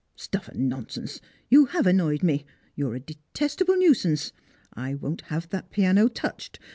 " Stuff and nonsense! You have annoyed me; you're a detestable nuisance. I won't have that piano touched.